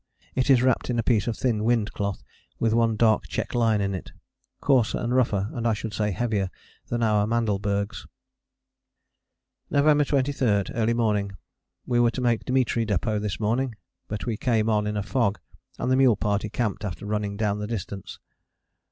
It is wrapped in a piece of thin windcloth with one dark check line in it. Coarser and rougher and, I should say, heavier than our Mandelbergs. November 23. Early morning. We were to make Dimitri Depôt this morning, but we came on in a fog, and the mule party camped after running down the distance.